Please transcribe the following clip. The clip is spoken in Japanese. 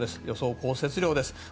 予想降雪量です。